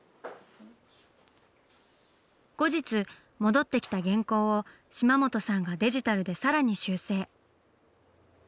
後日戻ってきた原稿を島本さんがデジタルで更に修正。